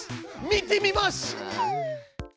見てみます！